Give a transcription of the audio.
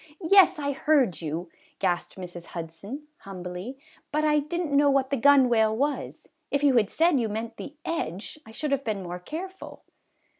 " Yes, I heard you," gasped Mrs. Hudson, humbly ;" but I did n't know what the gunwale was ; if you had said you meant the edge I should have been more careful."